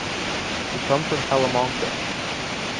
We come from Talamanca.